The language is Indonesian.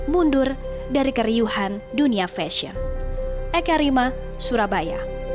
mundur dari keriuhan dunia fashion